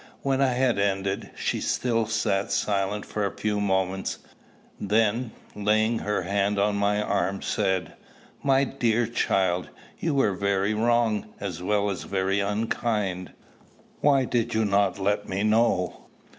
When I had ended, she still sat silent for a few moments; then, laying her hand on my arm, said, My dear child, you were very wrong, as well as very unkind. Why did you not let me know?"